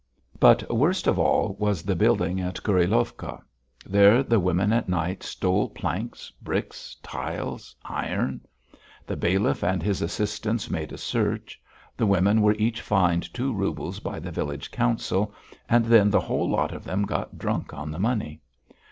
But worst of all was the building at Kurilovka. There the women at night stole planks, bricks, tiles, iron; the bailiff and his assistants made a search; the women were each fined two roubles by the village council, and then the whole lot of them got drunk on the money.